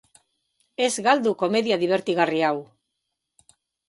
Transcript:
Ez galdu komedia dibertigarri hau!